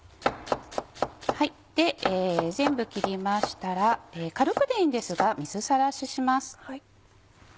全部切りましたら軽くでいいんですが水さらしします。